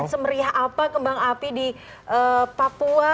semeriah apa kembang api di papua